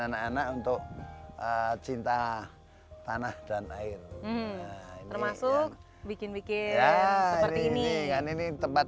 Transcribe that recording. anak anak untuk cinta tanah dan air termasuk bikin bikin ya hari ini kan ini tempat